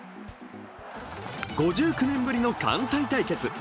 ５９年ぶりの関西対決。